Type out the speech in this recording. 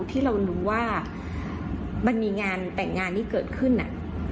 ที่เรารู้ว่ามันมีงานแต่งงานที่เกิดขึ้น